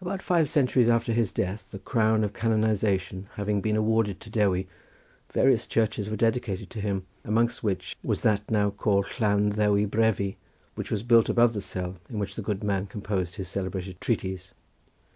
About five centuries after his death, the crown of canonisation having been awarded to Dewi, various churches were dedicated to him, amongst which was that now called Llan Ddewi Brefi, which was built above the cell in which the good man composed his celebrated treatise.